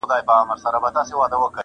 په سِن پوخ وو زمانې وو آزمېیلی،